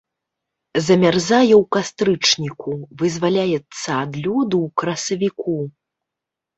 Замярзае ў кастрычніку, вызваляецца ад лёду ў красавіку.